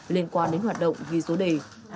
liên quan đến hoạt động ghi số đề